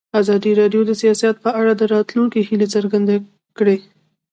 ازادي راډیو د سیاست په اړه د راتلونکي هیلې څرګندې کړې.